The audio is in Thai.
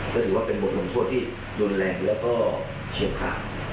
ก็ถือว่าเป็นบทหนทวดที่ยนต์แรงแล้วก็เชียมข้าม